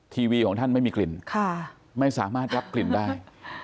ทีวีของท่านไม่มีกลิ่นไม่สามารถรับกลิ่นได้